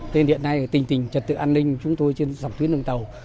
tên hiện nay là tình tình trật tự an ninh của chúng tôi trên dòng tuyến đường tàu